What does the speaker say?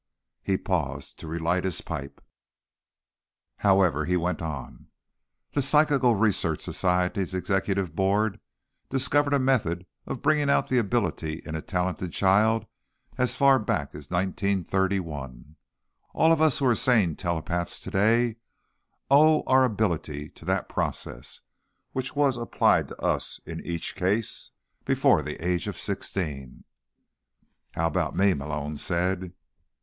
He paused to relight his pipe. "However," he went on, "the Psychical Research Society's executive board discovered a method of bringing out the ability in a talented child as far back as 1931. All of us who are sane telepaths today owe our ability to that process, which was applied to us, in each case, before the age of sixteen." "How about me?" Malone said.